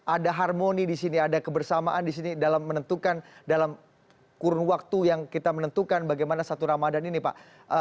ada harmoni di sini ada kebersamaan di sini dalam menentukan dalam kurun waktu yang kita menentukan bagaimana satu ramadhan ini pak